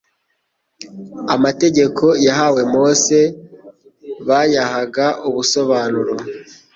Amategeko yahawe Mose bayahaga ubusobanuro